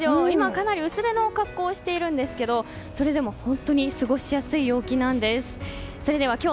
今、かなり薄手の格好をしているんですけどそれでも本当に過ごしやすい陽気なんです。